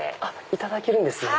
いただけるんですね。